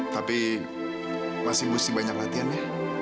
tapi masih mesti banyak latihan ya